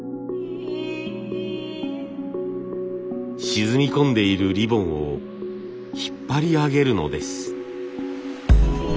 沈み込んでいるリボンを引っ張り上げるのです。